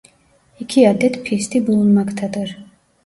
İki adet pisti bulunmaktadır.